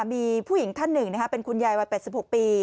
มีผู้หญิงท่านหนึ่งเป็นคุณยายวัย๘๖ปี